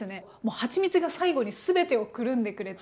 はちみつが最後に全てをくるんでくれて。